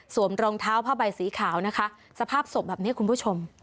รองเท้าผ้าใบสีขาวนะคะสภาพศพแบบนี้คุณผู้ชม